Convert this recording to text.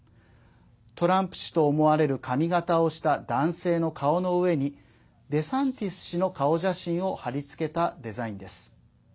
トランプ氏と思われる髪形をした男性の顔の上にデサンティス氏の顔写真を貼り付けたデザインです。